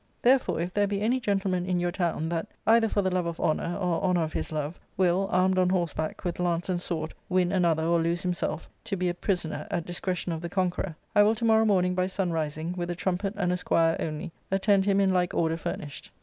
Therefore, if there be any gentleman in your town that, either for the love of honour or honour of his love, will, armed on horseback with lance and sword, win another or lose himself, to be a prisoner at discretion of the conqueror, I will to morrow morning by sun rising, with a trumpet and a squire only, attend him in like order furnished.